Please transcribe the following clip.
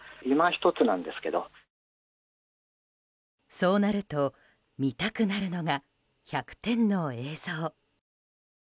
そうなると、見たくなるのが１００点の映像。